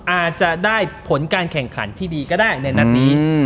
อาจจะได้ผลการแข่งขันที่ดีก็ได้ในนัดนี้